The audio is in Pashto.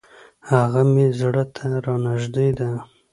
هغه مي زړه ته را نژدې ده .